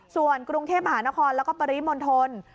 ส่วนกรุงเทพมหานครแล้วก็ปริมณฑล